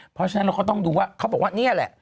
เพราะฉะนั้นเราก็ต้องดูว่าเขาบอกว่านี่แหละ